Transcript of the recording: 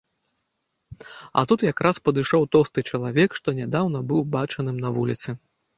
А тут якраз падышоў тоўсты чалавек, што нядаўна быў бачаным на вуліцы.